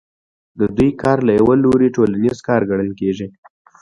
د دوی کار له یوه لوري ټولنیز کار ګڼل کېږي